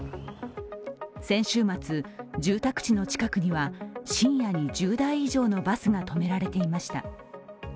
先週末、住宅地の近くには深夜に１０台以上のバスが止められていました。